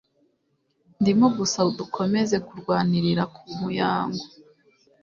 ndimo gusa dukomeza kurwanira ku muyango